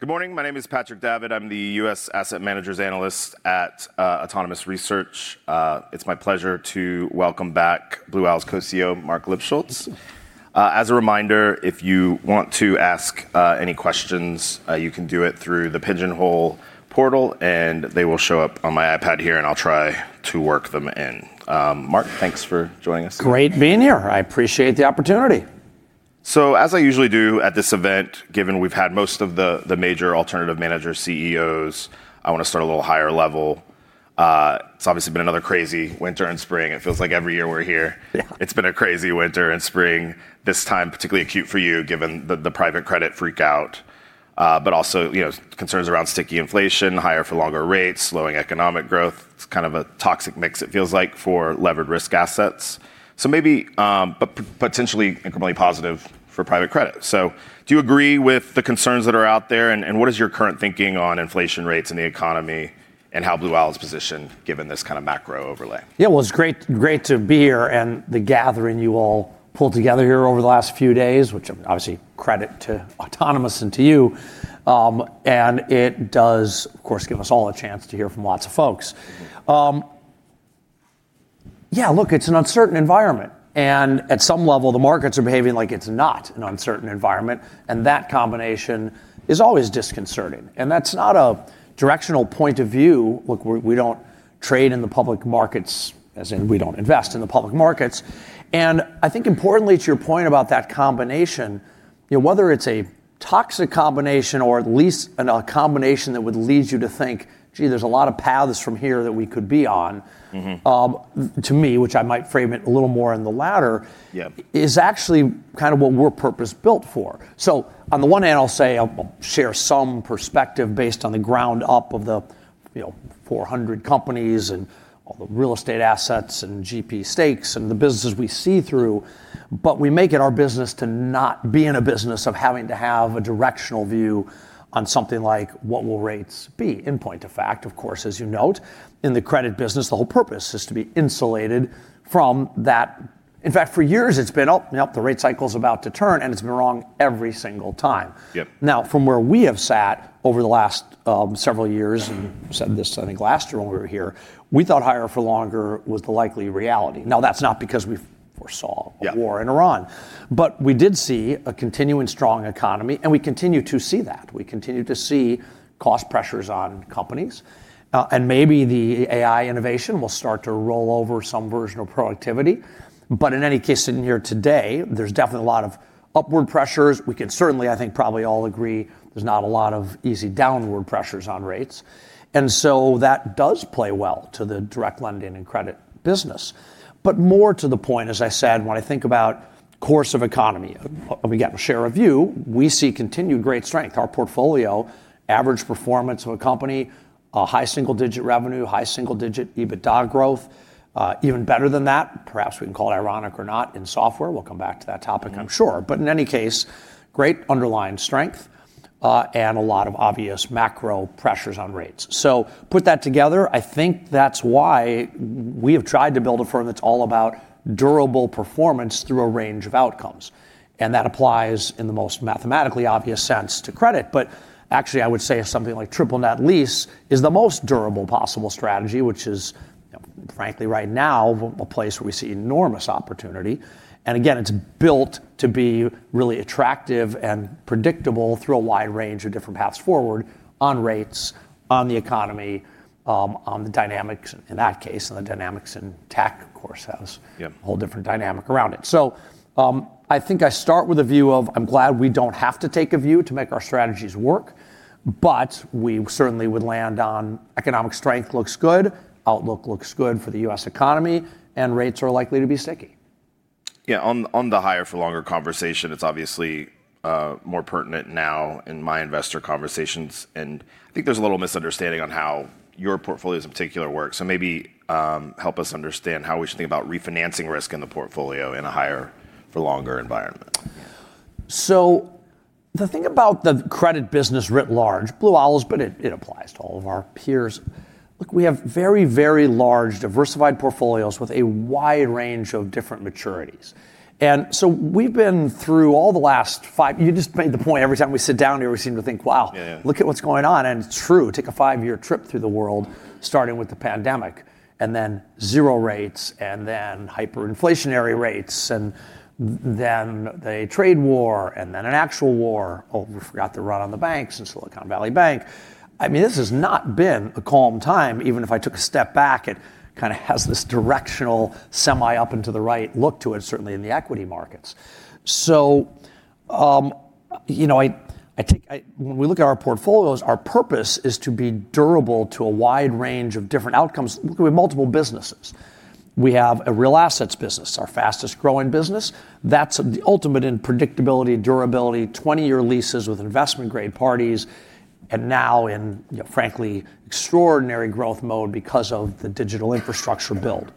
Good morning. My name is Patrick Davitt. I'm the U.S. asset managers analyst at Autonomous Research. It's my pleasure to welcome back Blue Owl's Co-CEO, Marc Lipschultz. As a reminder, if you want to ask any questions, you can do it through the Pigeonhole portal, and they will show up on my iPad here, and I'll try to work them in. Marc, thanks for joining us. Great being here. I appreciate the opportunity. As I usually do at this event, given we have had most of the major alternative managers, CEOs, I want to start a little higher level. It's obviously been another crazy winter and spring. It feels like every year we're here. Yeah It's been a crazy winter and spring. This time, particularly acute for you, given the private credit freak-out. Concerns around sticky inflation, higher for longer rates, slowing economic growth. It's kind of a toxic mix, it feels like, for levered risk assets. Maybe, but potentially incrementally positive for private credit. Do you agree with the concerns that are out there, and what is your current thinking on inflation rates and the economy and how Blue Owl is positioned given this kind of macro overlay? Well, it's great to be here, and the gathering you all pulled together here over the last few days, which obviously credit to Autonomous and to you. It does, of course, give us all a chance to hear from lots of folks. Look, it's an uncertain environment, and at some level, the markets are behaving like it's not an uncertain environment, and that combination is always disconcerting. That's not a directional point of view. Look, we don't trade in the public markets, as in we don't invest in the public markets. I think importantly to your point about that combination, whether it's a toxic combination or at least a combination that would lead you to think, "Gee, there's a lot of paths from here that we could be on.'' To me, which I might frame it a little more in the latter. Yeah Is actually kind of what we're purpose-built for. On the one hand, I'll say I'll share some perspective based on the ground up of the 400 companies and all the real estate assets and GP stakes and the businesses we see through, but we make it our business to not be in a business of having to have a directional view on something like what will rates be. In point of fact, of course, as you note, in the credit business, the whole purpose is to be insulated from that. In fact, for years it's been, "Oh, yep, the rate cycle's about to turn," and it's been wrong every single time. Yep. Now, from where we have sat over the last several years, and said this I think last year when we were here, we thought higher for longer was the likely reality. Yeah A war in Iran, we did see a continuing strong economy, we continue to see that. We continue to see cost pressures on companies. Maybe the AI innovation will start to roll over some version of productivity. In any case, sitting here today, there's definitely a lot of upward pressures. We could certainly, I think, probably all agree there's not a lot of easy downward pressures on rates. That does play well to the direct lending and credit business. More to the point, as I said, when I think about course of economy, we get a share of view, we see continued great strength. Our portfolio, average performance of a company, a high single-digit revenue, high single-digit EBITDA growth. Even better than that, perhaps we can call it ironic or not in software, we'll come back to that topic I'm sure. In any case, great underlying strength, and a lot of obvious macro pressures on rates. Put that together, I think that's why we have tried to build a firm that's all about durable performance through a range of outcomes. That applies in the most mathematically obvious sense to credit. Actually, I would say something like triple net lease is the most durable possible strategy, which is, frankly, right now, a place where we see enormous opportunity. Again, it's built to be really attractive and predictable through a wide range of different paths forward on rates, on the economy, on the dynamics in that case, and the dynamics in tech, of course. Yep A whole different dynamic around it. I think I start with a view of I'm glad we don't have to take a view to make our strategies work, but we certainly would land on economic strength looks good, outlook looks good for the U.S. economy, and rates are likely to be sticky. Yeah. On the higher for longer conversation, it's obviously more pertinent now in my investor conversations, and I think there's a little misunderstanding on how your portfolios in particular work. Maybe help us understand how we should think about refinancing risk in the portfolio in a higher for longer environment. The thing about the credit business writ large, Blue Owl's, but it applies to all of our peers. Look, we have very, very large diversified portfolios with a wide range of different maturities. We've been through all the last five. You just made the point, every time we sit down here, we seem to think, "Wow''- Yeah. Look at what's going on. It's true. Take a five-year trip through the world, starting with the pandemic, then zero rates, then hyperinflationary rates, then the trade war, then an actual war. Oh, we forgot the run on the banks and Silicon Valley Bank. This has not been a calm time. Even if I took a step back, it kind of has this directional semi-up and to the right look to it, certainly in the equity markets. When we look at our portfolios, our purpose is to be durable to a wide range of different outcomes. Look, we have multiple businesses. We have a real assets business, our fastest growing business. That's the ultimate in predictability and durability, 20-year leases with investment-grade parties, and now in, frankly, extraordinary growth mode because of the digital infrastructure build.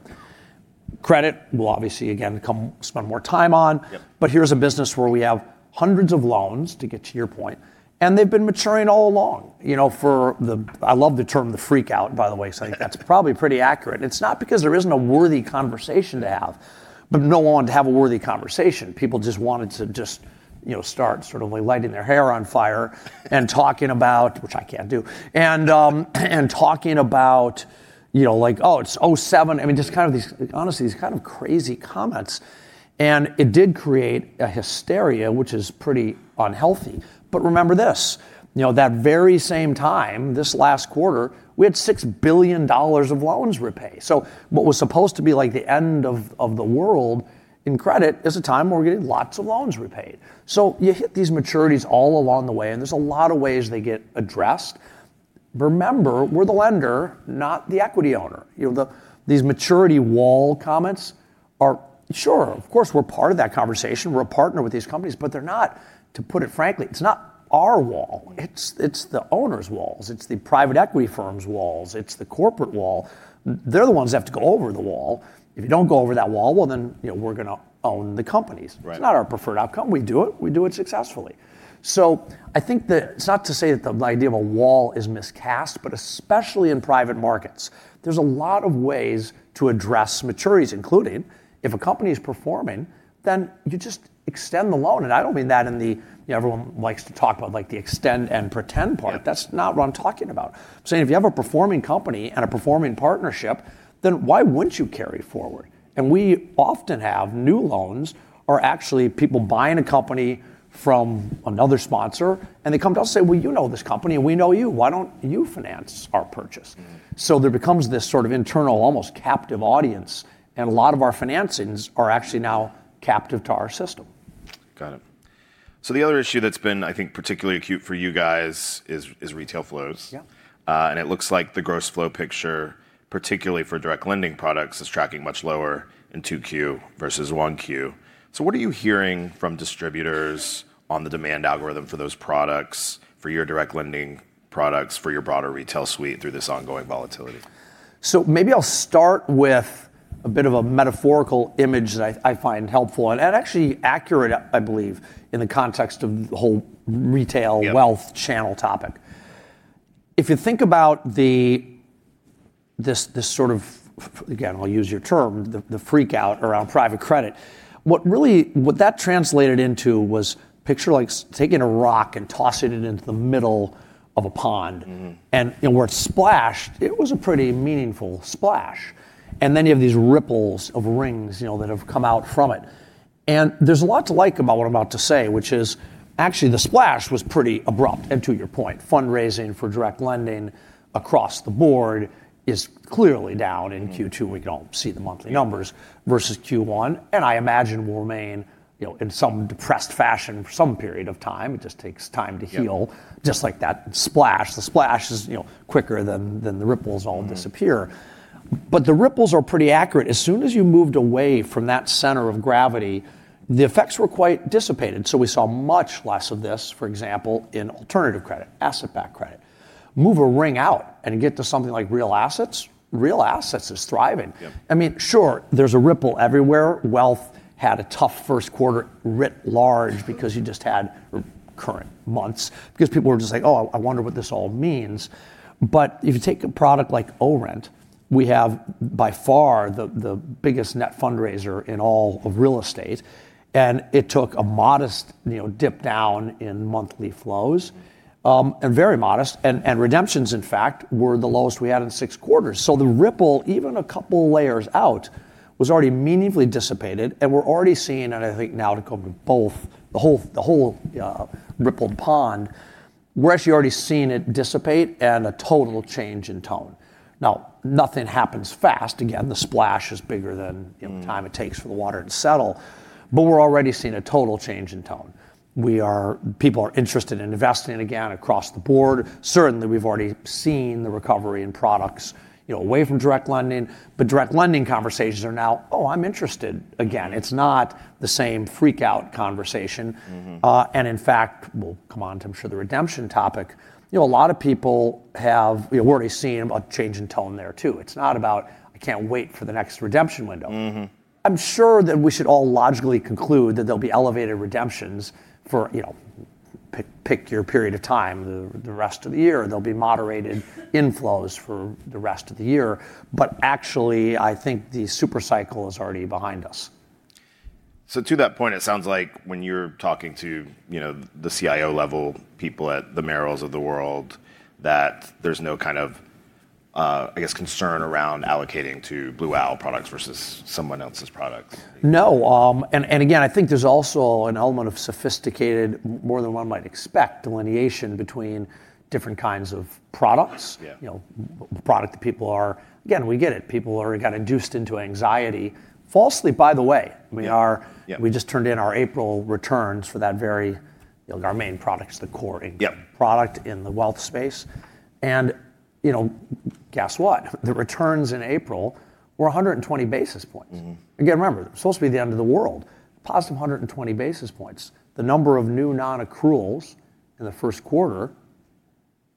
Credit, we'll obviously again spend more time on. Yep. Here's a business where we have hundreds of loans, to get to your point, and they've been maturing all along. I love the term the freak-out, by the way. I think that's probably pretty accurate. It's not because there isn't a worthy conversation to have. No one to have a worthy conversation. People wanted to start lighting their hair on fire and talking about, which I can't do, and talking about, like, "Oh, it's '07." I mean, just kind of these, honestly, these kind of crazy comments. It did create a hysteria, which is pretty unhealthy. Remember this, that very same time, this last quarter, we had $6 billion of loans repaid. What was supposed to be the end of the world in credit is a time where we're getting lots of loans repaid. You hit these maturities all along the way, there's a lot of ways they get addressed. Remember, we're the lender, not the equity owner. These maturity wall comments, sure, of course, we're part of that conversation. We're a partner with these companies, they're not, to put it frankly, it's not our wall, it's the owner's walls. It's the private equity firm's walls. It's the corporate wall. They're the ones that have to go over the wall. If you don't go over that wall, we're going to own the companies. Right. It's not our preferred outcome. We do it. We do it successfully. I think that it's not to say that the idea of a wall is miscast, but especially in private markets, there's a lot of ways to address maturities, including if a company is performing, then you just extend the loan. I don't mean that in the, everyone likes to talk about the extend and pretend part. Yeah. That's not what I'm talking about. I'm saying, if you have a performing company and a performing partnership, then why wouldn't you carry forward? We often have new loans are actually people buying a company from another sponsor, and they come to us say, "Well, you know this company and we know you.'' Why don't you finance our purchase? There becomes this sort of internal, almost captive audience, and a lot of our financings are actually now captive to our system. Got it. The other issue that's been, I think, particularly acute for you guys is retail flows. Yeah. It looks like the gross flow picture, particularly for direct lending products, is tracking much lower in 2Q versus 1Q. What are you hearing from distributors on the demand algorithm for those products, for your direct lending products, for your broader retail suite through this ongoing volatility? Maybe I'll start with a bit of a metaphorical image that I find helpful and actually accurate, I believe, in the context of the whole retail- Yeah. Wealth channel topic. If you think about this sort of, again, I'll use your term, the freak-out around private credit, what that translated into was picture taking a rock and tossing it into the middle of a pond. It splashed, it was a pretty meaningful splash, and then you have these ripples of rings that have come out from it. There's a lot to like about what I'm about to say, which is actually, the splash was pretty abrupt. To your point, fundraising for direct lending across the board is clearly down in Q2. We can all see the monthly numbers, versus Q1. I imagine will remain in some depressed fashion for some period of time. It just takes time to heal. Yeah. Just like that splash. The splash is quicker than the ripples all disappear. The ripples are pretty accurate. As soon as you moved away from that center of gravity, the effects were quite dissipated. We saw much less of this, for example, in alternative credit, asset-backed credit. Move a ring out and get to something like real assets, real assets is thriving. Yep. Sure, there's a ripple everywhere. Wealth had a tough first quarter writ large because you just had current months because people were just like, "Oh, I wonder what this all means." If you take a product like ORENT, we have by far the biggest net fundraiser in all of real estate, and it took a modest dip down in monthly flows, and very modest, and redemptions, in fact, were the lowest we had in six quarters. The ripple, even a couple layers out, was already meaningfully dissipated, and we're already seeing, and I think now to come to both the whole rippled pond, we're actually already seeing it dissipate and a total change in tone. Nothing happens fast. The splash is bigger than the time it takes for the water to settle, but we're already seeing a total change in tone. People are interested in investing again across the board. Certainly, we've already seen the recovery in products away from direct lending, but direct lending conversations are now, "Oh, I'm interested again." It's not the same freak-out conversation. In fact, we'll come on to, I'm sure, the redemption topic. We're already seeing a change in tone there, too. It's not about, "I can't wait for the next redemption window.'' I'm sure that we should all logically conclude that there'll be elevated redemptions for pick your period of time, the rest of the year. There'll be moderated inflows for the rest of the year. Actually, I think the super cycle is already behind us. To that point, it sounds like when you're talking to the CIO-level people at the Merrill of the world, that there's no, I guess, concern around allocating to Blue Owl products versus someone else's products. No, again, I think there's also an element of sophisticated, more than one might expect, delineation between different kinds of products. Yeah. Again, we get it. People are kind of induced into anxiety, falsely, by the way. Yeah. We just turned in our April returns. Our main product is the core. Yeah End product in the wealth space. Guess what? The returns in April were 120 basis points. Again, remember, it's supposed to be the end of the world. Positive 120 basis points. The number of new non-accruals in the first quarter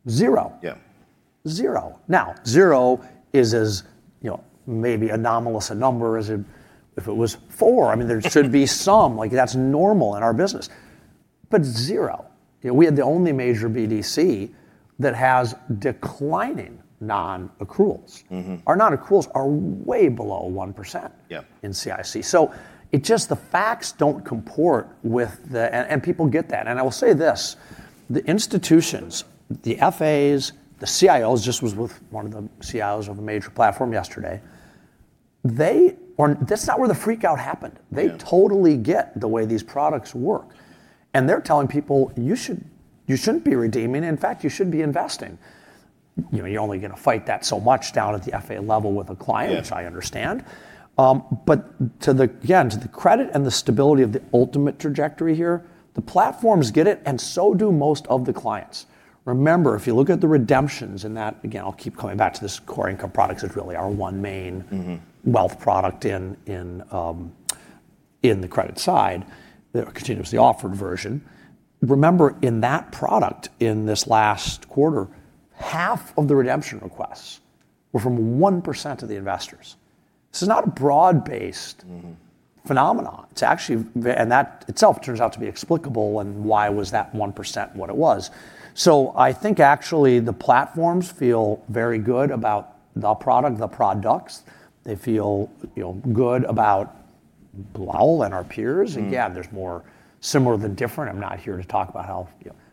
zero. Yeah. Zero. Zero is as maybe anomalous a number as if it was four. There should be some, like that's normal in our business, but zero. We have the only major BDC that has declining non-accruals. Our non-accruals are way below 1%- Yeah. In OCIC. It's just the facts don't comport with the. People get that. I will say this, the institutions, the FAs, the CIOs, just was with one of the CIOs of a major platform yesterday. That's not where the freak out happened. Yeah. They totally get the way these products work. They're telling people, "You shouldn't be redeeming. In fact, you should be investing." You're only going to fight that so much down at the FA level with a client- Yeah Which I understand. Again, to the credit and the stability of the ultimate trajectory here, the platforms get it, and so do most of the clients. Remember, if you look at the redemptions, and that, again, I'll keep coming back to this core income products, wealth product in the credit side, the continuously offered version. Remember, in that product in this last quarter, half of the redemption requests were from 1% of the investors. This is not a broad-based. Phenomenon. That itself turns out to be explicable and why was that 1% what it was. I think actually the platforms feel very good about the products. They feel good about Blue Owl and our peers. Yeah, there's more similar than different. I'm not here to talk about how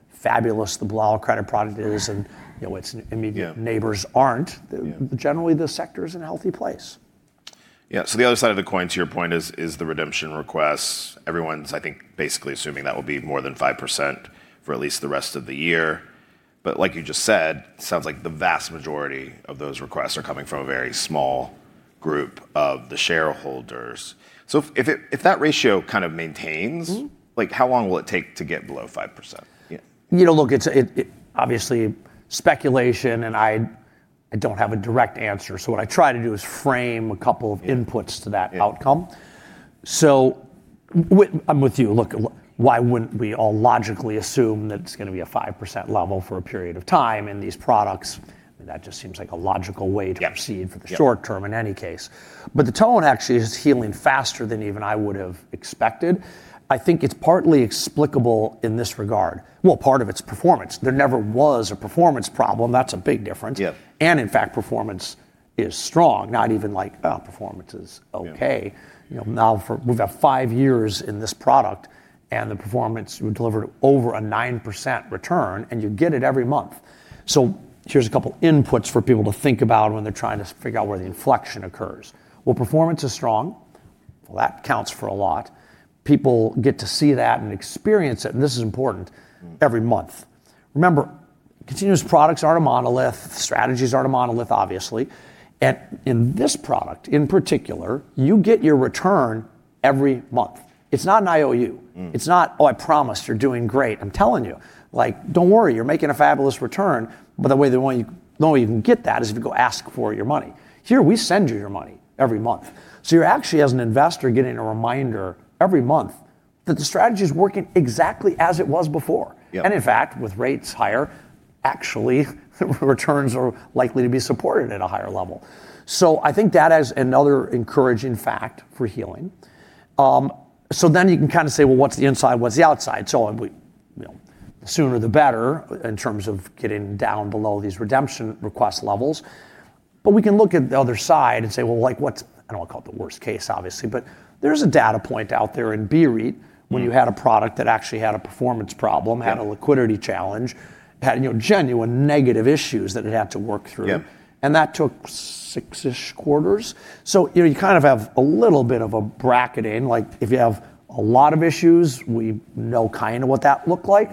fabulous the Blue Owl credit product is- Yeah Its immediate neighbors aren't. Yeah. Generally, the sector is in a healthy place. The other side of the coin, to your point, is the redemption requests. Everyone's, I think, basically assuming that will be more than 5% for at least the rest of the year. Like you just said, sounds like the vast majority of those requests are coming from a very small group of the shareholders. If that ratio kind of maintains, how long will it take to get below 5%? Look, it's obviously speculation, and I don't have a direct answer. What I try to do is frame a couple of inputs to that outcome. Yeah. I'm with you. Look, why wouldn't we all logically assume that it's going to be a 5% level for a period of time in these products? That just seems like a logical way to proceed. Yeah For the short term in any case. The tone actually is healing faster than even I would have expected. I think it's partly explicable in this regard. Well, part of it's performance. There never was a performance problem. That's a big difference. Yeah. In fact, performance is strong. Not even like, oh, performance is okay. Yeah. Now we've got five years in this product and the performance, we've delivered over a 9% return, and you get it every month. Here's a couple inputs for people to think about when they're trying to figure out where the inflection occurs. Performance is strong. That counts for a lot. People get to see that and experience it, and this is important, every month. Remember, continuous products aren't a monolith. Strategies aren't a monolith, obviously. In this product, in particular, you get your return every month. It's not an IOU. It's not, "Oh, I promise you're doing great. I'm telling you, don't worry, you're making a fabulous return." The way you can only even get that is if you go ask for your money. Here, we send you your money every month. You're actually, as an investor, getting a reminder every month that the strategy is working exactly as it was before. Yeah. In fact, with rates higher, actually, returns are likely to be supported at a higher level. I think that is another encouraging fact for healing. You can kind of say, well, what's the inside? What's the outside? The sooner the better in terms of getting down below these redemption request levels. We can look at the other side and say, well, what's, I don't want to call it the worst case, obviously, but there is a data point out there in BREIT when you had a product that actually had a performance problem. Yeah Had a liquidity challenge, had genuine negative issues that it had to work through. Yeah. That took six-ish quarters. You kind of have a little bit of a bracketing. Like if you have a lot of issues, we know kind of what that looked like.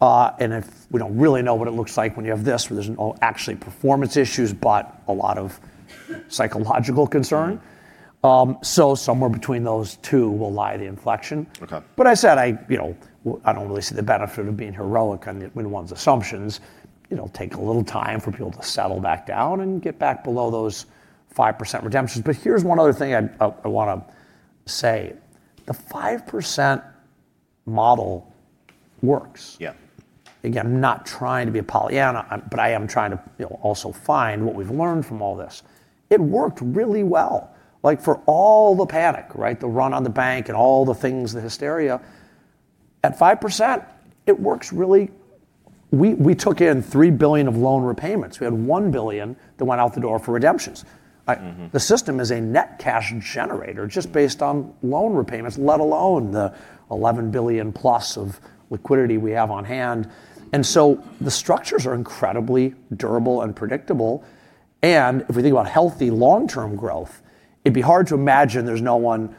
We don't really know what it looks like when you have this, where there's no actually performance issues, but a lot of psychological concern. Yeah. Somewhere between those two will lie the inflection. Okay. I said, I don't really see the benefit of being heroic when one's assumptions take a little time for people to settle back down and get back below those 5% redemptions. Here's one other thing I want to say. The 5% model works. Yeah. Again, I'm not trying to be a Pollyanna, but I am trying to also find what we've learned from all this. It worked really well. Like for all the panic, right, the run on the bank and all the things, the hysteria, at 5%, We took in $3 billion of loan repayments. We had $1 billion that went out the door for redemptions. The system is a net cash generator just based on loan repayments, let alone the $11 billion+ of liquidity we have on hand. The structures are incredibly durable and predictable. If we think about healthy long-term growth, it'd be hard to imagine there's anyone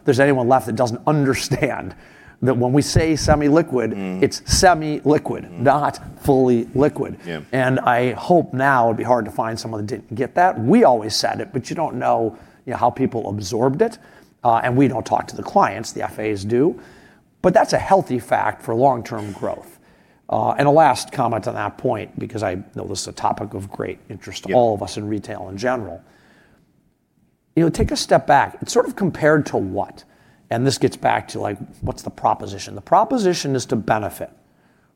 left that doesn't understand. It's semi-liquid, not fully liquid. Yeah. I hope now it'd be hard to find someone that didn't get that. We always said it, but you don't know how people absorbed it. We don't talk to the clients, the FAs do. That's a healthy fact for long-term growth. A last comment on that point, because I know this is a topic of great interest- Yeah To all of us in retail in general. Take a step back. It's sort of compared to what? This gets back to what's the proposition? The proposition is to benefit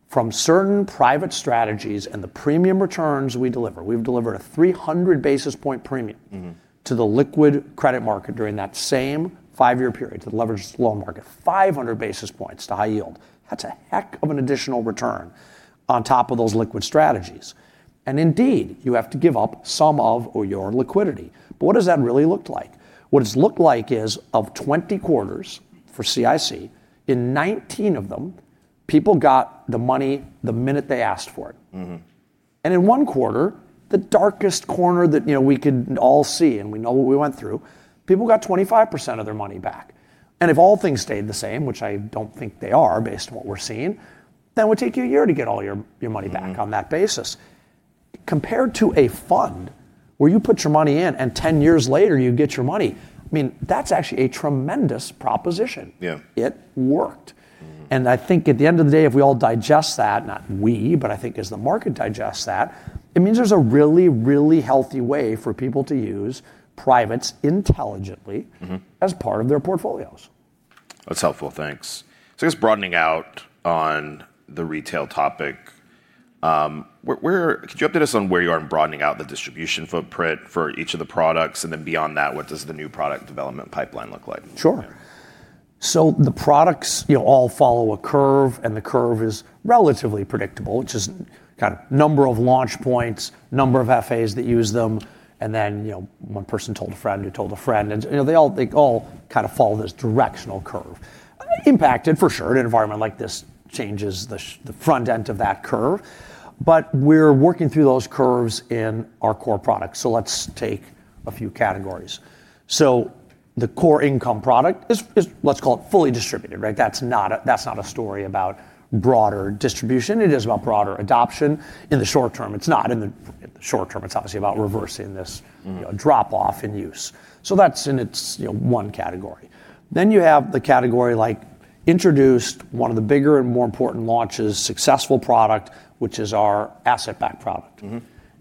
from certain private strategies and the premium returns we deliver. We've delivered a 300 basis point premium to the liquid credit market during that same five-year period to the leveraged loan market, 500 basis points to high yield. That's a heck of an additional return on top of those liquid strategies. Indeed, you have to give up some of your liquidity. What does that really look like? What it's looked like is of 20 quarters for OCIC, in 19 of them, people got the money the minute they asked for it. In one quarter, the darkest quarter that we could all see and we know what we went through, people got 25% of their money back. If all things stayed the same, which I don't think they are, based on what we're seeing, that would take you a year to get all your money back on that basis. Compared to a fund where you put your money in and 10 years later you get your money, I mean, that's actually a tremendous proposition. Yeah. It worked. I think at the end of the day, if we all digest that, not we, but I think as the market digests that, it means there's a really, really healthy way for people to use privates intelligently as part of their portfolios. That's helpful. Thanks. I guess broadening out on the retail topic, could you update us on where you are in broadening out the distribution footprint for each of the products? Beyond that, what does the new product development pipeline look like? Sure. The products all follow a curve, and the curve is relatively predictable. It's just kind of number of launch points, number of FAs that use them, and then, one person told a friend who told a friend, and they all kind of follow this directional curve. Impacted for sure. An environment like this changes the front end of that curve. We're working through those curves in our core products. Let's take a few categories. The core income product is, let's call it, fully distributed, right? That's not a story about broader distribution. It is about broader adoption in the short term. It's not in the short term. Drop-off in use. That's in its one category. You have the category like introduced one of the bigger and more important launches, successful product, which is our asset-backed product.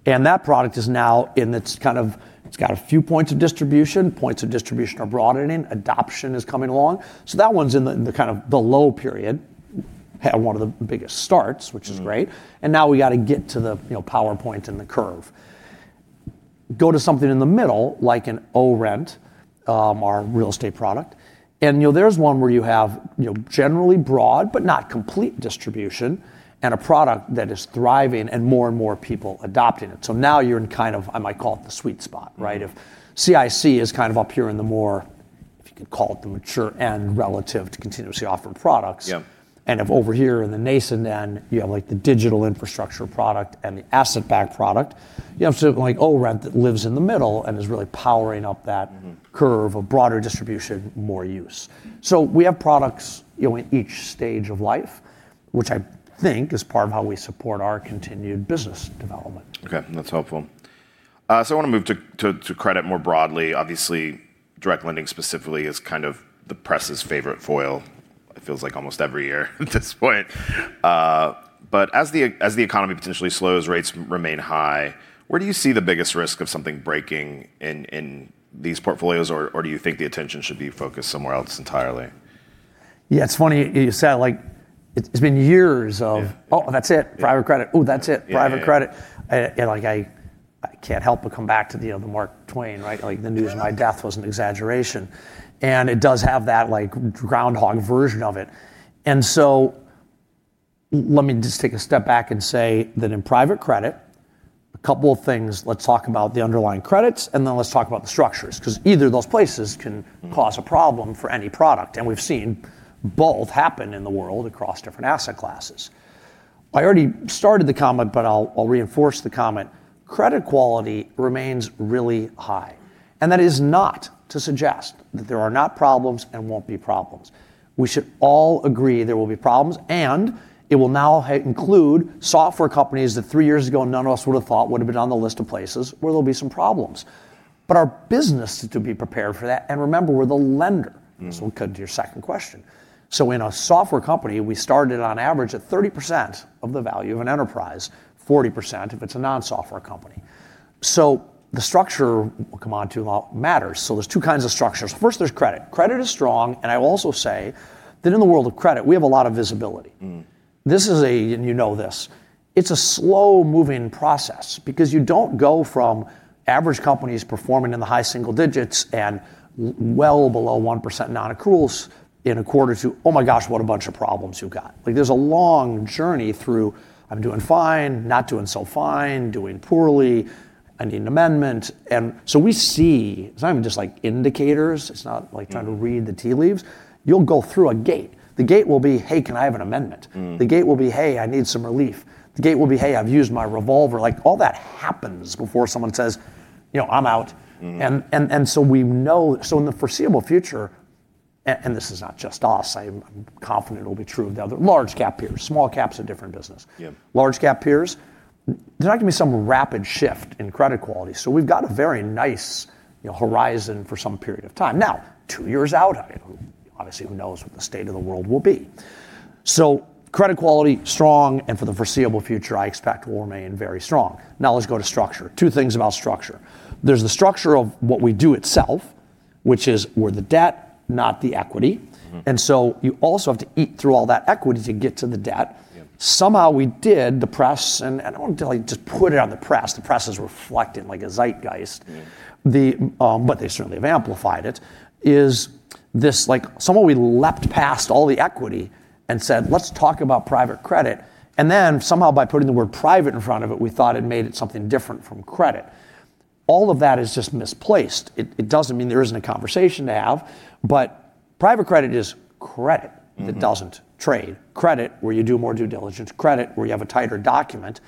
That product is now in its kind of, it's got a few points of distribution. Points of distribution are broadening. Adoption is coming along. That one's in the kind of the low period. Had one of the biggest starts, which is great, and now we got to get to the power point in the curve. Go to something in the middle, like an ORENT, our real estate product. There's one where you have generally broad, but not complete distribution, and a product that is thriving and more and more people adopting it. Now you're in kind of, I might call it, the sweet spot, right? If OCIC is kind of up here in the more, if you could call it, the mature end relative to continuously offered products. Yep If over here in the nascent end, you have the digital infrastructure product and the asset-backed product, you have something like ORENT that lives in the middle and is really powering up that curve of broader distribution, more use. We have products in each stage of life, which I think is part of how we support our continued business development. Okay. That's helpful. I want to move to credit more broadly. Obviously, direct lending specifically is kind of the press's favorite foil, it feels like almost every year at this point. As the economy potentially slows, rates remain high, where do you see the biggest risk of something breaking in these portfolios? Do you think the attention should be focused somewhere else entirely? Yeah, it's funny you say that. Yeah Oh, that's it. private credit. Oh, that's it. private credit. Yeah. I can't help but come back to the other Mark Twain, right? Yeah. The news of my death was an exaggeration." It does have that Groundhog version of it. Let me just take a step back and say that in private credit, a couple of things. Let's talk about the underlying credits, and then let's talk about the structures, because either of those places can cause a problem for any product, and we've seen both happen in the world across different asset classes. I already started the comment, but I'll reinforce the comment. Credit quality remains really high, that is not to suggest that there are not problems and won't be problems. We should all agree there will be problems, it will now include software companies that three years ago, none of us would've thought would've been on the list of places where there'll be some problems. Our business is to be prepared for that. Remember, we're the lender. We come to your second question. In a software company, we started on average at 30% of the value of an enterprise, 40% if it's a non-software company. The structure we'll come on to matters. There's two kinds of structures. First, there's credit. Credit is strong, and I will also say that in the world of credit, we have a lot of visibility. You know this. It's a slow-moving process because you don't go from average companies performing in the high single digits and well below 1% non-accruals in a quarter to, oh my gosh, what a bunch of problems you've got. There's a long journey through, "I'm doing fine," "Not doing so fine," "Doing poorly," "I need an amendment." We see, it's not even just like indicators, it's not like trying to read the tea leaves. You'll go through a gate. The gate will be, "Hey, can I have an amendment? The gate will be, "Hey, I need some relief." The gate will be, "Hey, I've used my revolver." Like, all that happens before someone says, "I'm out. We know, in the foreseeable future. This is not just us, I am confident it'll be true of the other large-cap peers. Small cap's a different business. Yeah. Large-cap peers, there's not going to be some rapid shift in credit quality. We've got a very nice horizon for some period of time. Two years out, obviously, who knows what the state of the world will be? Credit quality strong, and for the foreseeable future, I expect will remain very strong. Let's go to structure. Two things about structure. There's the structure of what we do itself, which is we're the debt, not the equity. You also have to eat through all that equity to get to the debt. Yep. Somehow we did, the press, and I don't want to totally just put it on the press, the press is reflecting like a zeitgeist. They certainly have amplified it. Is this like somehow we leapt past all the equity and said, "Let's talk about private credit?" Somehow by putting the word private in front of it, we thought it made it something different from credit. All of that is just misplaced. It doesn't mean there isn't a conversation to have, but private credit is credit. That doesn't trade credit, where you do more due diligence credit? Where you have a tighter document?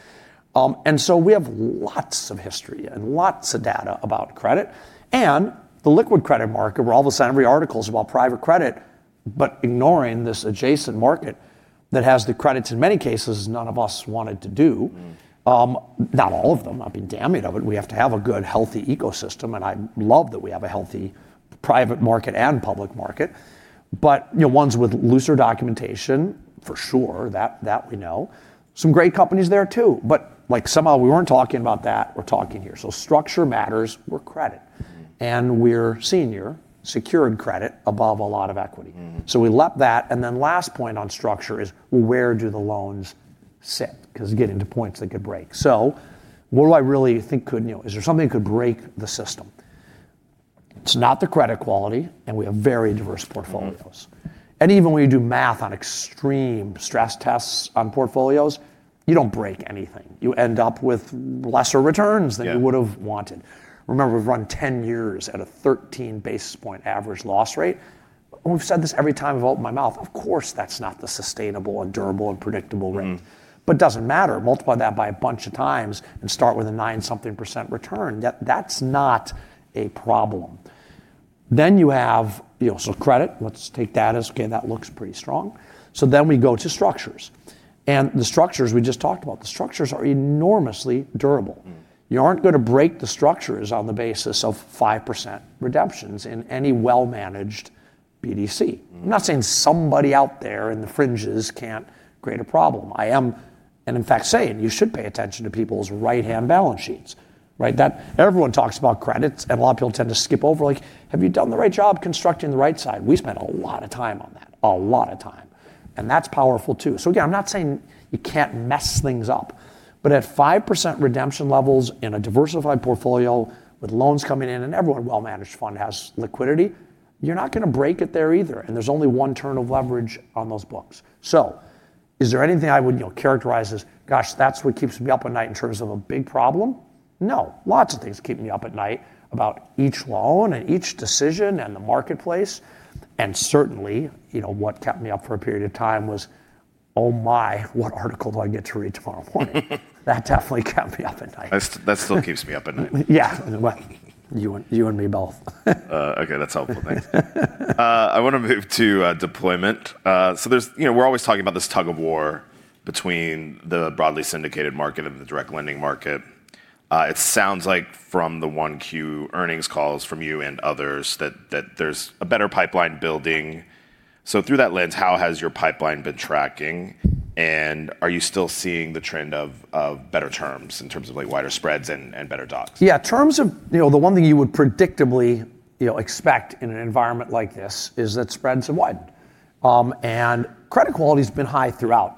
We have lots of history and lots of data about credit and the liquid credit market, where all of a sudden everybody writes articles about private credit, but ignoring this adjacent market that has the credits in many cases none of us wanted to do. Not all of them. I mean, damn it, we have to have a good, healthy ecosystem, and I love that we have a healthy private market and public market. Ones with looser documentation for sure, that we know. Some great companies there too, somehow we weren't talking about that, we're talking here. Structure matters. We're credit. We're senior secured credit above a lot of equity. We leapt that. Last point on structure is where do the loans sit? You get into points that could break. Is there something that could break the system? It's not the credit quality, and we have very diverse portfolios. Even when you do math on extreme stress tests on portfolios, you don't break anything. You end up with lesser returns than- Yeah You would've wanted. Remember, we've run 10 years at a 13 basis point average loss rate. We've said this every time I've opened my mouth, of course, that's not the sustainable and durable and predictable rate. Doesn't matter. Multiply that by a bunch of times and start with a nine something percent return. That's not a problem. You have credit, let's take that. Okay, that looks pretty strong. We go to structures, and the structures we just talked about. The structures are enormously durable. You aren't going to break the structures on the basis of 5% redemptions in any well-managed BDC. I'm not saying somebody out there in the fringes can't create a problem. I am, and in fact saying, you should pay attention to people's right-hand balance sheets, right? Everyone talks about credits. A lot of people tend to skip over like, have you done the right job constructing the right side? We spent a lot of time on that. A lot of time. That's powerful, too. Again, I'm not saying you can't mess things up, but at 5% redemption levels in a diversified portfolio with loans coming in, and every well-managed fund has liquidity, you're not going to break it there either. There's only one turn of leverage on those books. Is there anything I would characterize as, gosh, that's what keeps me up at night in terms of a big problem? No. Lots of things keep me up at night about each loan and each decision and the marketplace, and certainly, what kept me up for a period of time was, oh my, what article do I get to read tomorrow morning? That definitely kept me up at night. That still keeps me up at night. Yeah. Well, you and me both. Okay, that's helpful. Thanks. I want to move to deployment. We're always talking about this tug of war between the broadly syndicated market and the direct lending market. It sounds like from the 1Q earnings calls from you and others that there's a better pipeline building. Through that lens, how has your pipeline been tracking? Are you still seeing the trend of better terms in terms of wider spreads and better docs? Yeah. The one thing you would predictably expect in an environment like this is that spreads have widened. Credit quality's been high throughout.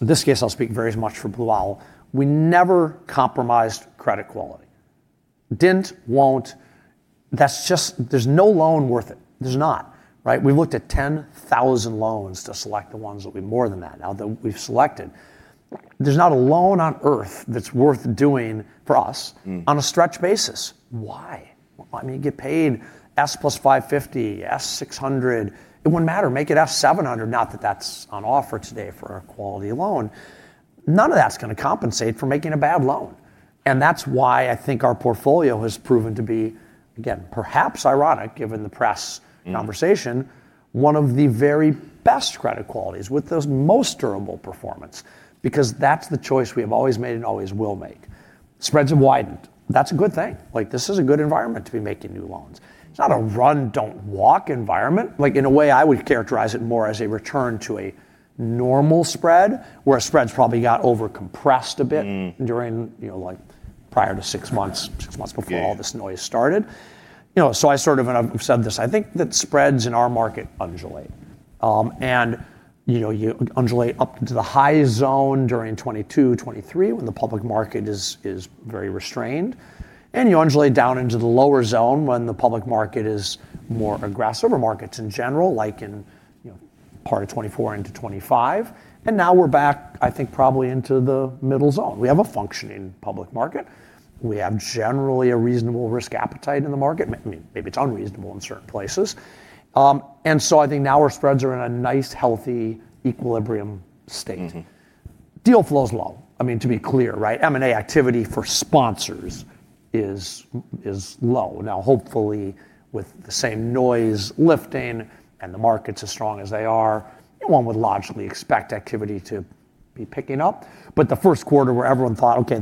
This case, I'll speak very much for Blue Owl. We never compromised credit quality. Didn't, won't. There's no loan worth it. There's not. Right? We looked at 10,000 loans to select the ones, it'll be more than that now that we've selected. There's not a loan on Earth that's worth doing for us on a stretched basis. Why? You get paid S plus 550, S 600. It wouldn't matter. Make it S 700. Not that that's on offer today for a quality loan. None of that's going to compensate for making a bad loan, and that's why I think our portfolio has proven to be, again, perhaps ironic, given the press conversation, one of the very best credit qualities with the most durable performance, because that's the choice we have always made and always will make. Spreads have widened. That's a good thing. This is a good environment to be making new loans. It's not a run, don't walk environment. In a way, I would characterize it more as a return to a normal spread, where spreads probably got over-compressed a bit during, prior to six months before- Okay All this noise started. I've said this, I think that spreads in our market undulate. You undulate up into the high zone during 2022, 2023, when the public market is very restrained, and you undulate down into the lower zone when the public market is more aggressive, or markets in general, like in part of 2024 into 2025. Now we're back, I think, probably into the middle zone. We have a functioning public market. We have generally a reasonable risk appetite in the market. Maybe it's unreasonable in certain places. So I think now our spreads are in a nice, healthy equilibrium state. Deal flow is low. To be clear, right? M&A activity for sponsors is low. Hopefully, with the same noise lifting and the markets as strong as they are, one would logically expect activity to be picking up. The first quarter where everyone thought, okay,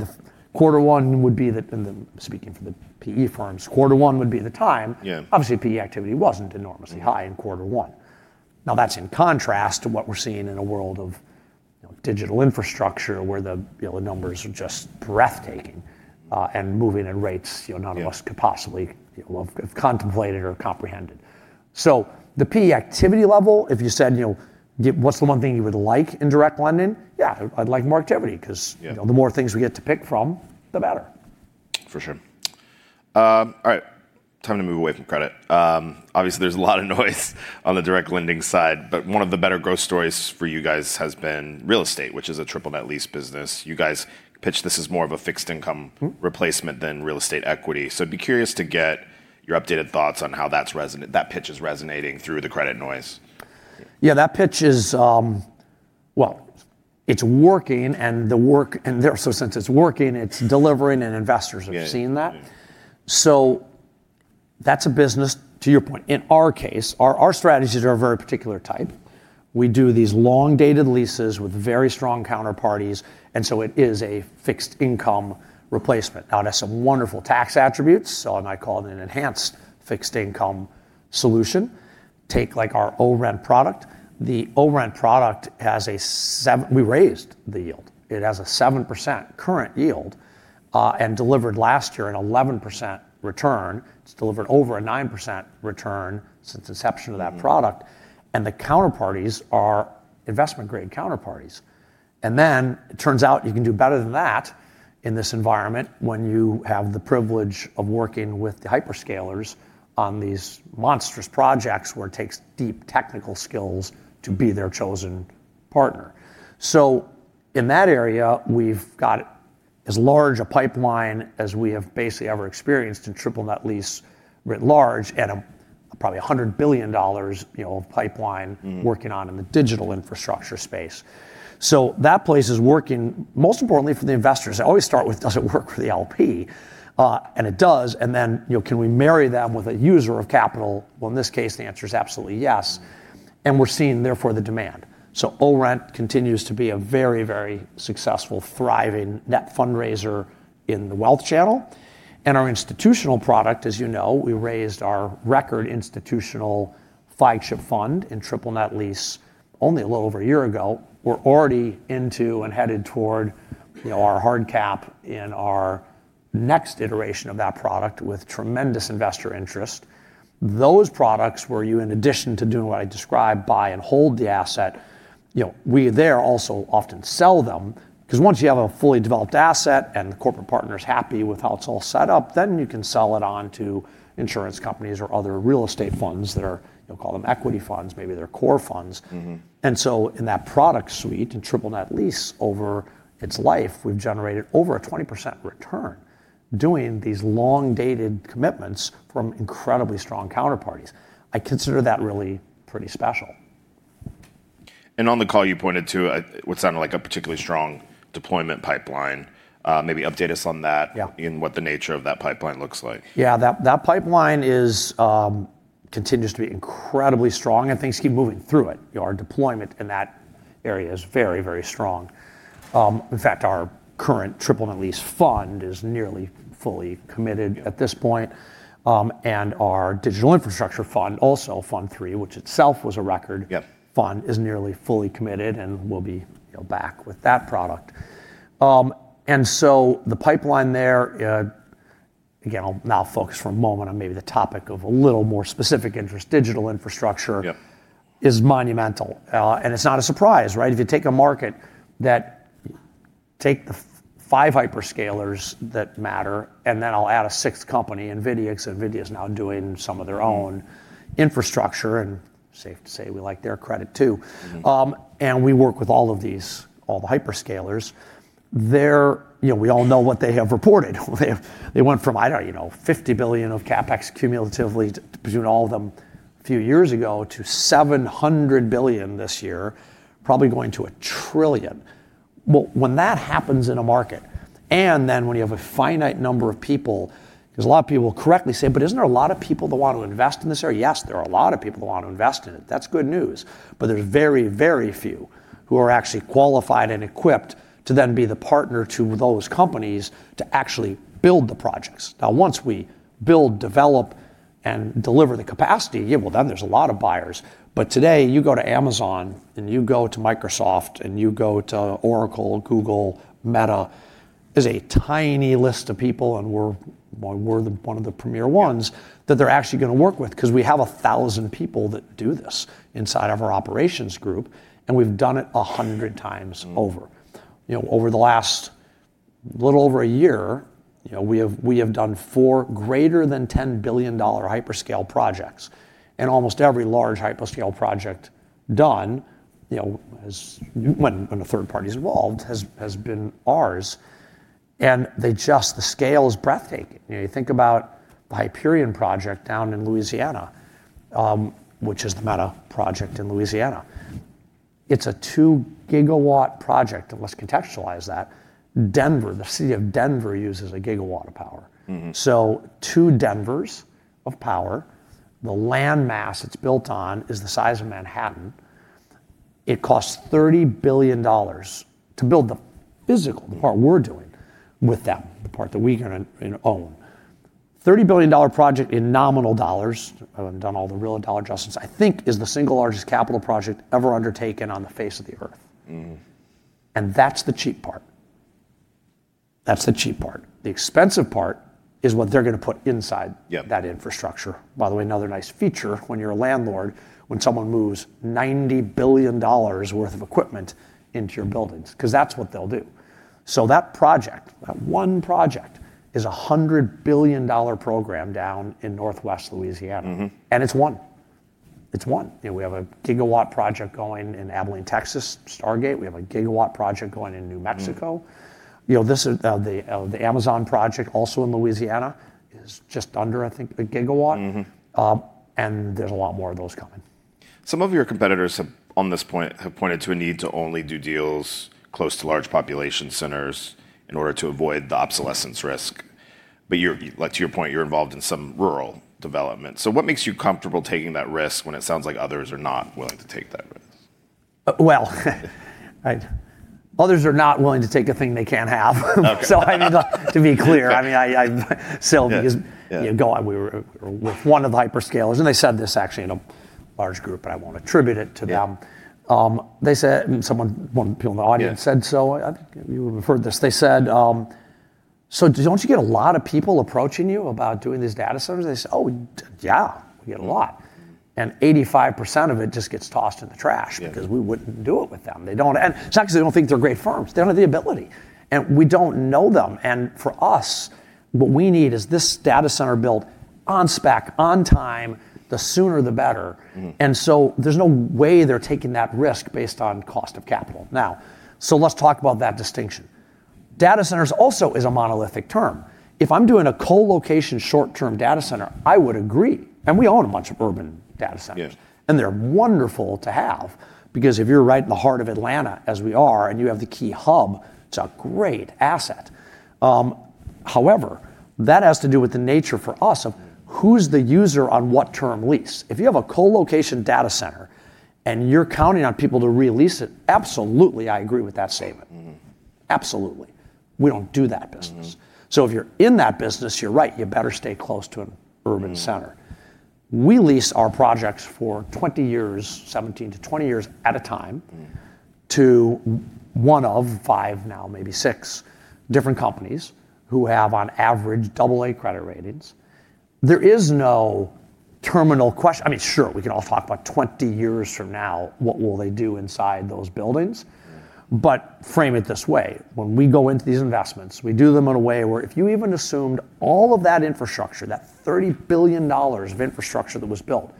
speaking for the PE firms, quarter one would be the time. Yeah. Obviously, PE activity wasn't enormously high in quarter one. Now, that's in contrast to what we're seeing in a world of digital infrastructure, where the numbers are just breathtaking, and moving at rates- Yeah None of us could possibly have contemplated or comprehended. The PE activity level, if you said, "What's the one thing you would like in direct lending?" Yeah, I'd like more activity because- Yeah The more things we get to pick from, the better. For sure. All right. Time to move away from credit. Obviously, there's a lot of noise on the direct lending side, but one of the better growth stories for you guys has been real estate, which is a triple net lease business. You guys pitched this as more of a fixed income replacement than real estate equity. I'd be curious to get your updated thoughts on how that pitch is resonating through the credit noise. Yeah, that pitch is, well, it's working. Since it's working, it's delivering. Investors have seen that. Yeah. That's a business, to your point. In our case, our strategies are a very particular type. We do these long-dated leases with very strong counterparties, and so it is a fixed income replacement. It has some wonderful tax attributes, so I call it an enhanced fixed income solution. Take our ORENT product. The ORENT product, we raised the yield. It has a 7% current yield, and delivered last year an 11% return. It's delivered over a 9% return since inception of that product, and the counterparties are investment-grade counterparties. It turns out you can do better than that in this environment when you have the privilege of working with the hyperscalers on these monstrous projects where it takes deep technical skills to be their chosen partner. In that area, we've got as large a pipeline as we have basically ever experienced in triple net lease writ large, at probably $100 billion of pipeline working on in the digital infrastructure space. That place is working, most importantly for the investors. I always start with, does it work for the LP? It does. Then, can we marry them with a user of capital? Well, in this case, the answer is absolutely yes. We're seeing, therefore, the demand. ORENT continues to be a very successful, thriving net fundraiser in the wealth channel. Our institutional product, as you know, we raised our record institutional flagship fund in triple net lease only a little over a year ago. We're already into and headed toward our hard cap in our next iteration of that product with tremendous investor interest. Those products where you, in addition to doing what I described, buy and hold the asset, we there also often sell them, because once you have a fully developed asset and the corporate partner's happy with how it's all set up, then you can sell it on to insurance companies or other real estate funds that are, call them equity funds, maybe they're core funds. In that product suite, in triple net lease, over its life, we've generated over a 20% return doing these long-dated commitments from incredibly strong counterparties. I consider that really pretty special. On the call, you pointed to what sounded like a particularly strong deployment pipeline. Maybe update us on that? Yeah What the nature of that pipeline looks like. Yeah. That pipeline continues to be incredibly strong, and things keep moving through it. Our deployment in that area is very strong. In fact, our current triple net lease fund is nearly fully committed at this point. Our digital infrastructure fund, also fund three, which itself was a record. Yep Fund, is nearly fully committed. We'll be back with that product. The pipeline there, again, I'll now focus for a moment on maybe the topic of a little more specific interest, digital infrastructure- Yep Is monumental. It's not a surprise, right? If you take a market, take the five hyperscalers that matter, and then I'll add a sixth company, NVIDIA, because NVIDIA's now doing some of their own infrastructure, and safe to say we like their credit, too. We work with all of these, all the hyperscalers. We all know what they have reported. They went from, I don't know, $50 billion of CapEx cumulatively between all of them a few years ago, to $700 billion this year. Probably going to $1 trillion. When that happens in a market, when you have a finite number of people, a lot of people correctly say, "Isn't there a lot of people that want to invest in this area?" Yes, there are a lot of people that want to invest in it. That's good news. There's very few who are actually qualified and equipped to be the partner to those companies to actually build the projects. Once we build, develop, and deliver the capacity, there's a lot of buyers. Today, you go to Amazon, and you go to Microsoft, and you go to Oracle, Google, Meta, there's a tiny list of people, and we're one of the premier ones, that they're actually going to work with, because we have 1,000 people that do this inside of our operations group, and we've done it 100 times over. Over the last little over a year, we have done four greater than $10 billion hyperscale projects. Almost every large hyperscale project done, when a third party's involved, has been ours. Just the scale is breathtaking. You think about the Hyperion project down in Louisiana, which is the Meta project in Louisiana. It's a 2 GW project, and let's contextualize that. Denver, the city of Denver, uses 1 GW of power. 2 Denvers of power, the land mass it's built on is the size of Manhattan. It costs $30 billion to build the physical, the part we're doing with them, the part that we're going to own. $30 billion project in nominal dollars, I haven't done all the real dollar adjustments, I think is the single largest capital project ever undertaken on the face of the earth. That's the cheap part. That's the cheap part. The expensive part is what they're going to put inside- Yep That infrastructure. By the way, another nice feature when you're a landlord, when someone moves $90 billion worth of equipment into your buildings, because that's what they'll do. That project, that one project, is a $100 billion program down in Northwest Louisiana. It's one. We have a gigawatt project going in Abilene, Texas, Stargate. We have a gigawatt project going in New Mexico. The Amazon project, also in Louisiana, is just under, I think, a gigawatt. There's a lot more of those coming. Some of your competitors, on this point, have pointed to a need to only do deals close to large population centers in order to avoid the obsolescence risk. To your point, you're involved in some rural development. What makes you comfortable taking that risk when it sounds like others are not willing to take that risk? Well, others are not willing to take a thing they can't have. Okay. I need to be clear. With one of the hyperscalers, and they said this actually in a large group, but I won't attribute it to them. Yeah. Someone, one of the people in the audience said, I think you would've heard this. They said, "Don't you get a lot of people approaching you about doing these data centers?" They say, "Oh, yeah, we get a lot.'' 85% of it just gets tossed in the trash- Yeah Because we wouldn't do it with them." It's not because they don't think they're great firms. They don't have the ability. We don't know them. For us, what we need is this data center built on spec, on time, the sooner the better. There's no way they're taking that risk based on cost of capital. Now, let's talk about that distinction. Data centers also is a monolithic term. If I'm doing a co-location short term data center, I would agree. We own a bunch of urban data centers. Yes. They're wonderful to have because if you're right in the heart of Atlanta, as we are, and you have the key hub, it's a great asset. However, that has to do with the nature for us of who's the user on what term lease. If you have a co-location data center and you're counting on people to re-lease it, absolutely, I agree with that statement. Absolutely. We don't do that business. If you're in that business, you're right, you better stay close to an urban center. We lease our projects for 20 years, 17-20 years at a time to one of five now, maybe six different companies who have on average AA credit ratings. There is no terminal question. Sure, we can all talk about 20 years from now, what will they do inside those buildings? Frame it this way. When we go into these investments, we do them in a way where if you even assumed all of that infrastructure, that $30 billion of infrastructure that was built,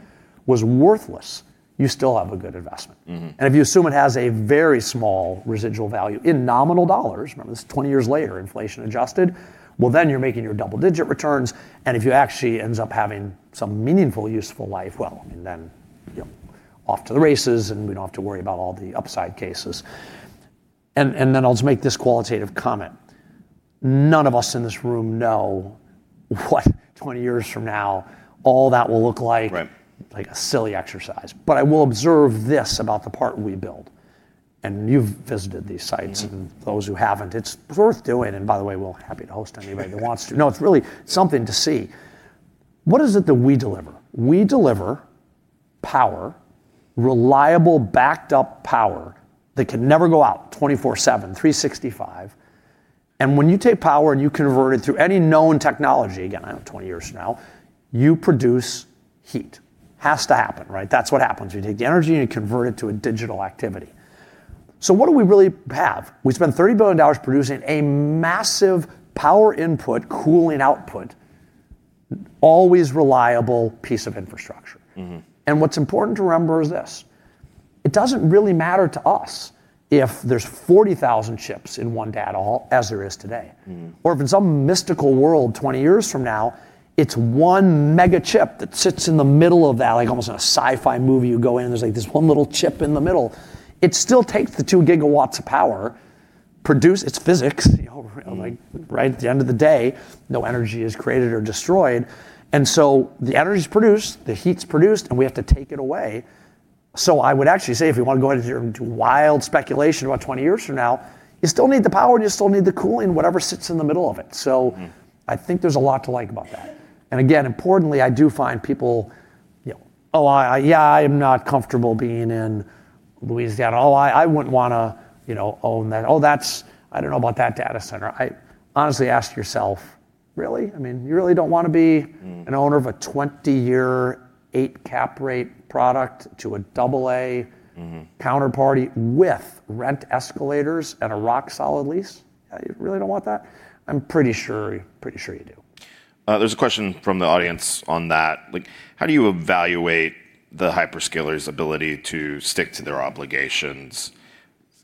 was worthless, you still have a good investment. If you assume it has a very small residual value in nominal dollars, remember, this is 20 years later, inflation adjusted, well, then you're making your double-digit returns. If you actually ends up having some meaningful, useful life, well, then off to the races, and we don't have to worry about all the upside cases. Then I'll just make this qualitative comment. None of us in this room know what 20 years from now all that will look like- Right. Like a silly exercise. I will observe this about the part we build. You've visited these sites. Those who haven't, it's worth doing. By the way, we'll be happy to host anybody who wants to. No, it's really something to see. What is it that we deliver? We deliver power, reliable, backed up power that can never go out, 24/7, 365. When you take power and you convert it through any known technology, again, I don't know, 20 years from now, you produce heat. Has to happen, right? That's what happens. You take the energy and you convert it to a digital activity. What do we really have? We spend $30 billion producing a massive power input, cooling output, always reliable piece of infrastructure. What's important to remember is this. It doesn't really matter to us if there's 40,000 chips in one data hall, as there is today. If in some mystical world 20 years from now, it's one mega chip that sits in the middle of that, like almost in a sci-fi movie. You go in, there's this one little chip in the middle. It still takes the two gigawatts of power, produce its physics. At the end of the day, no energy is created or destroyed. The energy's produced, the heat's produced, and we have to take it away. I would actually say if you want to go into wild speculation about 20 years from now, you still need the power, and you still need the cooling, whatever sits in the middle of it. I think there's a lot to like about that. Again, importantly, I do find people, "Oh, yeah, I'm not comfortable being in Louisiana," "Oh, I wouldn't want to own that," "Oh, I don't know about that data center." Honestly, ask yourself, really? You really don't want to be an owner of a 20 year, eight cap rate product to a AA counterparty with rent escalators and a rock solid lease? You really don't want that? I'm pretty sure you do. There's a question from the audience on that. How do you evaluate the hyperscalers' ability to stick to their obligations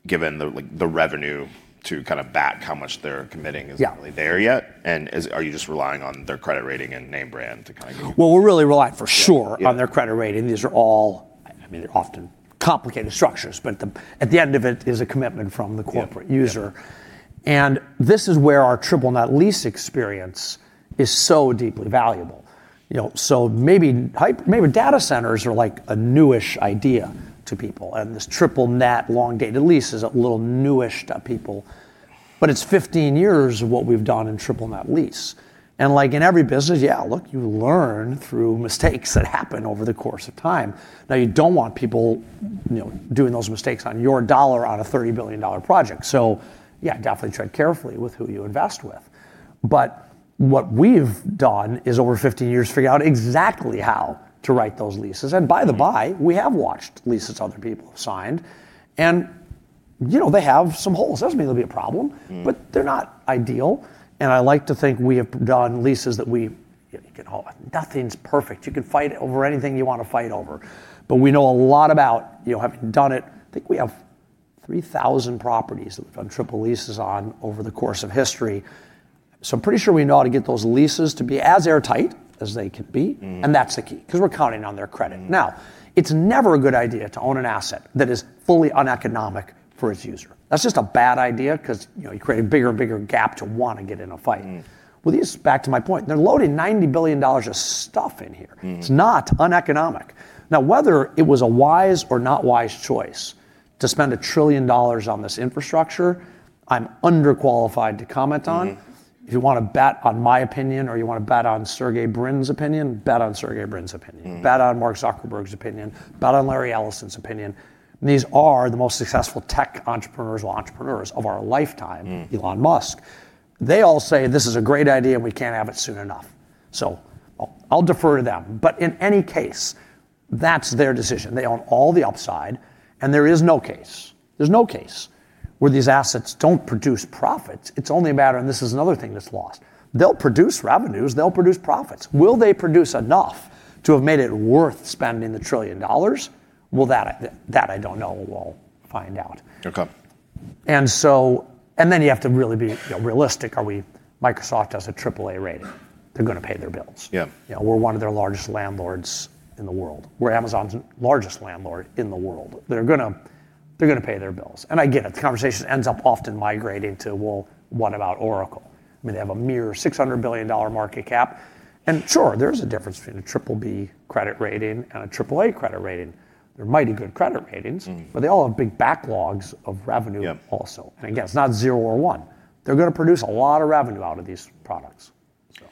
given the revenue to back how much they're committing isn't really there yet? Yeah. Are you just relying on their credit rating and name brand to kind of give you? Well, we're really reliant, for sure, on their credit rating. These are all, I mean, they're often complicated structures, but at the end of it is a commitment from the corporate user. Yeah. This is where our triple net lease experience is so deeply valuable. Maybe data centers are like a new-ish idea to people, and this triple net long-dated lease is a little new-ish to people, but it's 15 years of what we've done in triple net lease. Like in every business, yeah, look, you learn through mistakes that happen over the course of time. You don't want people doing those mistakes on your dollar on a $30 billion project, so yeah, definitely tread carefully with who you invest with. What we've done is over 15 years, figure out exactly how to write those leases. By the by, we have watched leases other people have signed, and they have some holes. Doesn't mean there'll be a problem. They're not ideal. Nothing's perfect. You can fight over anything you want to fight over. We know a lot about having done it. I think we have 3,000 properties that we've done triple leases on over the course of history. I'm pretty sure we know how to get those leases to be as airtight as they can be. That's the key, because we're counting on their credit. Now, it's never a good idea to own an asset that is fully uneconomic for its user. That's just a bad idea because you create a bigger and bigger gap to want to get in a fight. With these, back to my point, they're loading $90 billion of stuff in here. It's not uneconomic. Now, whether it was a wise or not wise choice to spend $1 trillion on this infrastructure, I'm under-qualified to comment on. If you want to bet on my opinion or you want to bet on Sergey Brin's opinion, bet on Sergey Brin's opinion. Bet on Mark Zuckerberg's opinion. Bet on Larry Ellison's opinion. These are the most successful tech entrepreneurs or entrepreneurs of our lifetime, Elon Musk. They all say, "This is a great idea, and we can't have it soon enough." I'll defer to them. In any case, that's their decision. They own all the upside, and there is no case. There's no case where these assets don't produce profits. It's only a matter, and this is another thing that's lost. They'll produce revenues, they'll produce profits. Will they produce enough to have made it worth spending the $1 trillion? That I don't know. We'll find out. Okay. You have to really be realistic. Microsoft has a AAA rating. They're going to pay their bills. Yeah. We're one of their largest landlords in the world. We're Amazon's largest landlord in the world. They're going to pay their bills. I get it. The conversation ends up often migrating to, well, what about Oracle? I mean, they have a mere $600 billion market cap. Sure, there is a difference between a BBB credit rating and a AAA credit rating. They're mighty good credit ratings. They all have big backlogs of revenue also. Yeah. Again, it's not zero or one. They're going to produce a lot of revenue out of these products. All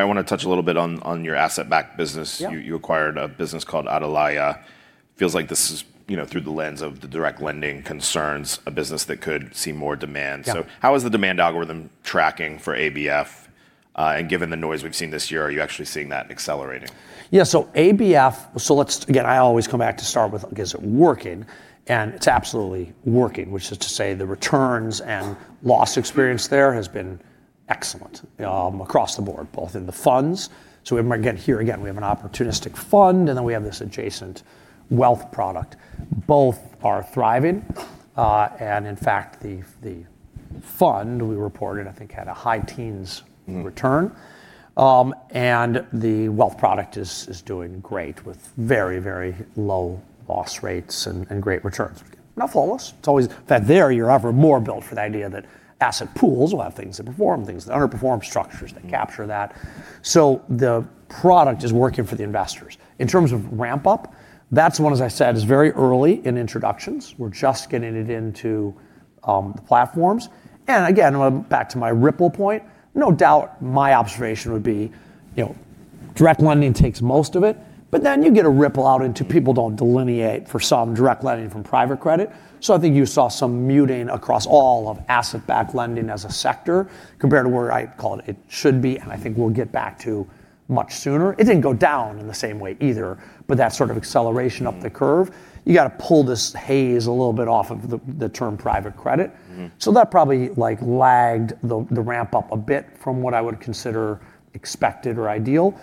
right, I want to touch a little bit on your asset-backed business. Yeah. You acquired a business called Atalaya. Feels like this is through the lens of the direct lending concerns, a business that could see more demand. Yeah. How is the demand algorithm tracking for ABF? Given the noise we've seen this year, are you actually seeing that accelerating? ABF, again, I always come back to start with, is it working? It's absolutely working, which is to say the returns and loss experience there has been excellent across the board, both in the funds. Again, here we have an opportunistic fund, and then we have this adjacent wealth product. Both are thriving. In fact, the fund we reported, I think, had a high teens return. The wealth product is doing great with very low loss rates and great returns. Not flawless. There you're ever more built for the idea that asset pools will have things that perform, things that underperform, structures that capture that. The product is working for the investors. In terms of ramp-up, that's one, as I said, is very early in introductions. We're just getting it into the platforms. Again, back to my ripple point, no doubt my observation would be direct lending takes most of it, but then you get a ripple out into people don't delineate for some direct lending from private credit. I think you saw some muting across all of asset-backed lending as a sector compared to where I'd call it should be, and I think we'll get back to much sooner. It didn't go down in the same way either, but that sort of acceleration up the curve. You got to pull this haze a little bit off of the term private credit. That probably lagged the ramp-up a bit from what I would consider expected or ideal.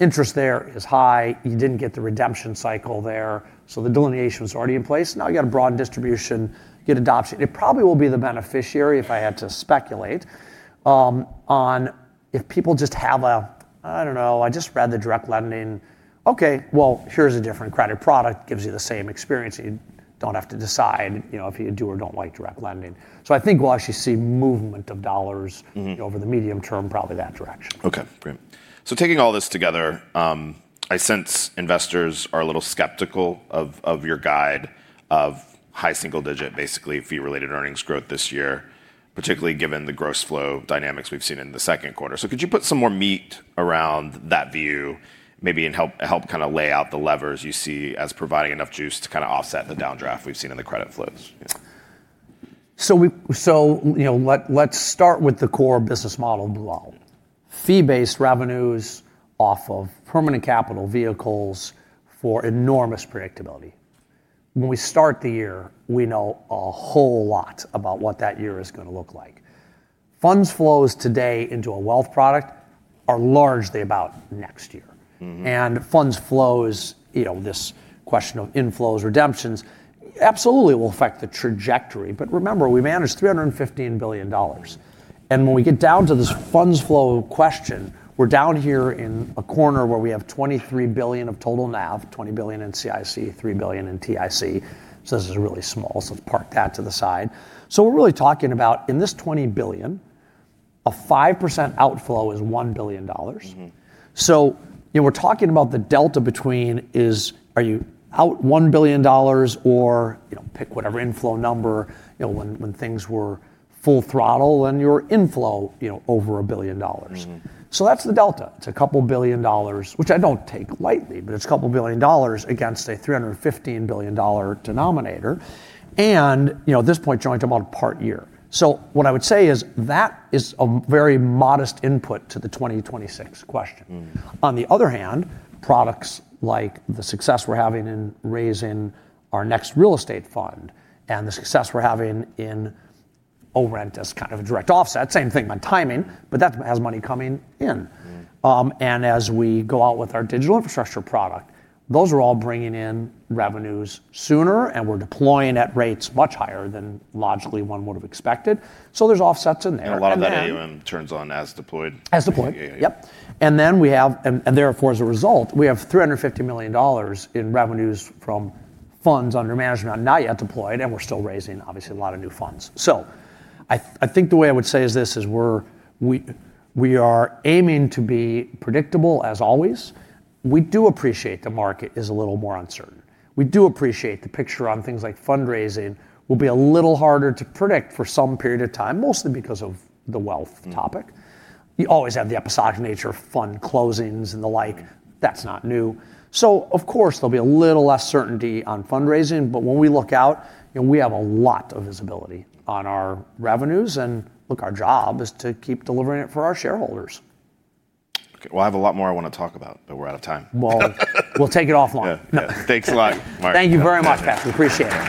Interest there is high. You didn't get the redemption cycle there, so the delineation was already in place. You got a broad distribution, get adoption. It probably will be the beneficiary, if I had to speculate, on if people just have a, "I don't know, I just read the direct lending." Okay, well, here's a different credit product, gives you the same experience, so you don't have to decide if you do or don't like direct lending. I think we'll actually see movement of dollars over the medium term, probably that direction. Okay, great. Taking all this together, I sense investors are a little skeptical of your guide of high single digit, basically, fee-related earnings growth this year, particularly given the gross flow dynamics we've seen in the second quarter. Could you put some more meat around that view, maybe, and help lay out the levers you see as providing enough juice to offset the downdraft we've seen in the credit flows? Let's start with the core business model of Blue Owl. Fee-based revenues off of permanent capital vehicles for enormous predictability. When we start the year, we know a whole lot about what that year is going to look like. Funds flows today into a wealth product are largely about next year. Funds flows, this question of inflows, redemptions. Absolutely, it will affect the trajectory. Remember, we manage $315 billion. When we get down to this funds flow question, we're down here in a corner where we have $23 billion of total NAV, $20 billion in OCIC, $3 billion in OTIC. This is really small, so let's park that to the side. We're really talking about in this $20 billion, a 5% outflow is $1 billion. We're talking about the delta between are you out $1 billion or pick whatever inflow number when things were full throttle and your inflow over $1 billion. That's the delta. It's a couple billion dollars, which I don't take lightly, but it's a couple of billion dollars against a $315 billion denominator. At this point, you're only talking about a part year. What I would say is that is a very modest input to the 2026 question. Products like the success we're having in raising our next real estate fund and the success we're having in ORENT as kind of a direct offset, same thing by timing, but that has money coming in. As we go out with our digital infrastructure product, those are all bringing in revenues sooner. We're deploying at rates much higher than logically one would have expected. There's offsets in there. A lot of that AUM turns on as deployed. As deployed. Yeah. Yep. Therefore, as a result, we have $350 million in revenues from funds under management not yet deployed, and we're still raising, obviously, a lot of new funds. I think the way I would say is this is we are aiming to be predictable as always. We do appreciate the market is a little more uncertain. We do appreciate the picture on things like fundraising will be a little harder to predict for some period of time, mostly because of the wealth topic. You always have the episodic nature of fund closings and the like. That's not new. Of course, there'll be a little less certainty on fundraising. When we look out, we have a lot of visibility on our revenues, and look, our job is to keep delivering it for our shareholders. Okay. Well, I have a lot more I want to talk about, but we're out of time. Well, we'll take it offline. Yeah. Thanks a lot, Marc. Thank you very much, Patrick. Appreciate it.